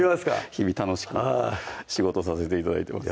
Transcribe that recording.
日々楽しく仕事させて頂いてます